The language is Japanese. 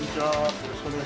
よろしくお願い